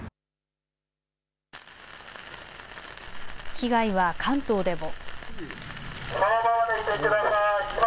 被害は関東でも。